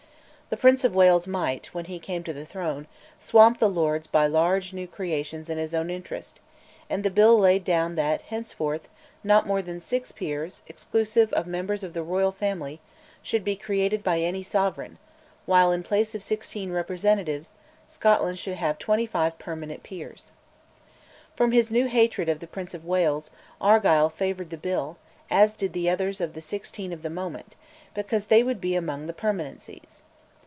The Prince of Wales might, when he came to the throne, swamp the Lords by large new creations in his own interest, and the Bill laid down that, henceforth, not more than six peers, exclusive of members of the Royal Family, should be created by any sovereign; while in place of sixteen representative Scotland should have twenty five permanent peers. From his new hatred of the Prince of Wales, Argyll favoured the Bill, as did the others of the sixteen of the moment, because they would be among the permanencies.